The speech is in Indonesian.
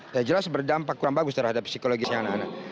yang jelas berdampak kurang bagus terhadap psikologisnya anak anak